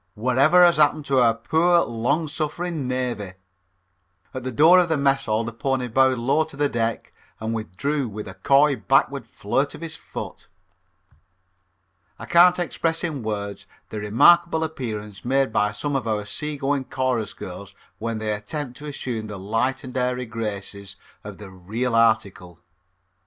"What ever has happened to our poor, long suffering navy?" At the door of the Mess Hall the pony bowed low to the deck and withdrew with a coy backward flirt of his foot. I can't express in words the remarkable appearance made by some of our seagoing chorus girls when they attempt to assume the light and airy graces of the real article.